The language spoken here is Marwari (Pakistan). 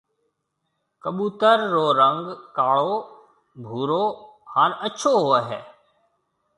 ڪٻُوتر رو رنگ ڪاݪو، ڀورو هانَ اڇو هوئي هيَ۔